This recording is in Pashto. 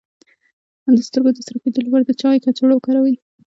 د سترګو د سره کیدو لپاره د چای کڅوړه وکاروئ